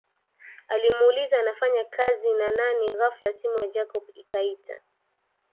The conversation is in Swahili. Alimuuliza anafanya kazi nan ani ghafla simu ya Jacob ikaite